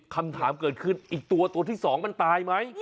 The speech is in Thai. คำถามเกิดขึ้นอีกตัวตัวที่๒มันตายไหม